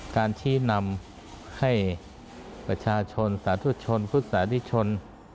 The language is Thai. การชี้นำให้ประชาชนสาธุชนพุทธสาธิชน